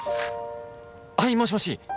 はいもしもし。